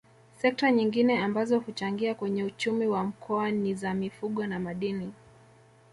Sekta nyingine ambazo huchangia kwenye uchumi wa Mkoa ni za Mifugo na Madini